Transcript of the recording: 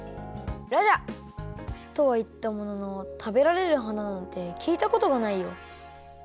ラジャー！とはいったものの食べられる花なんてきいたことがないよ。